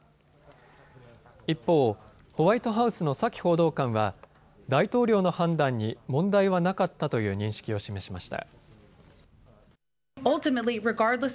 一方、ホワイトハウスのサキ報道官は大統領の判断に問題はなかったという認識を示しました。